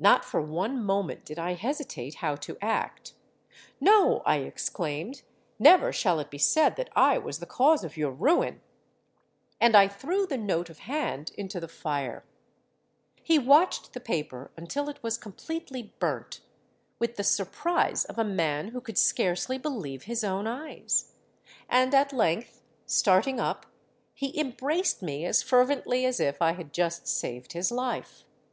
Not for one moment did I hesitate how to act. 'No,' I exclaimed; 'never shall it be said that I was the cause of your ruin;' and I threw the note of hand into the fire.—He watched the paper until it was completely burnt, with the surprise of a man who could scarcely believe his own eyes; and at length, starting up, he embraced me as fervently as if I had just saved his life.